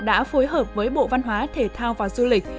đã phối hợp với bộ văn hóa thể thao và du lịch